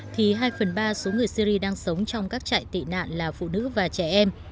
thì hai phần ba số người syri đang sống trong các trại tị nạn là phụ nữ và trẻ em